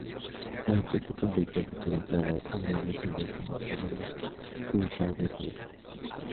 Durante este conflicto, el futuro emperador Adriano sirvió como tribuno militar de esta legión.